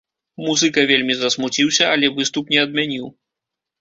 Музыка вельмі засмуціўся, але выступ не адмяніў.